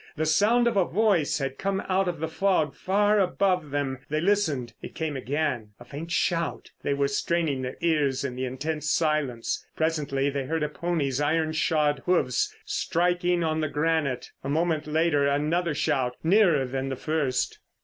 The sound of a voice had come out of the fog far above them. They listened. It came again—a faint shout. They were straining their ears in the intense silence. Presently they heard a pony's iron shod hoofs striking on the granite. A moment later another shout, nearer than the first.